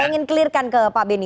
saya ingin clear kan ke pak beni